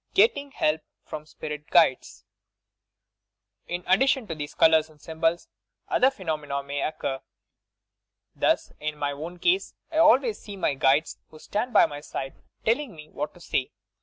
GETTING HELP PROM SPIRIT GUIDES "In addition to these colours and symbols, other phe nomena may occur. Thus, in my own case, I always see my guides who stand by my side telling me what to say.